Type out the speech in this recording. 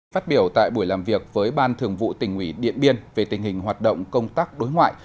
phát biểu tại buổi làm việc với ban thường vụ tỉnh ủy điện biên về tình hình hoạt động công tác đối ngoại